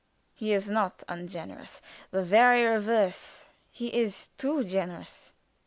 "He is not ungenerous; the very reverse; he is too generous."